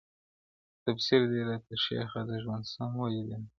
• تفسير دي راته شیخه د ژوند سم ویلی نه دی,